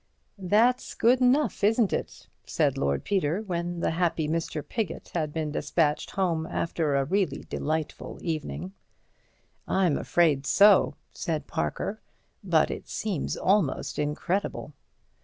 "That's good enough, isn't it?" said Lord Peter, when the happy Mr. Piggott had been despatched home after a really delightful evening. "I'm afraid so," said Parker. "But it seems almost incredible."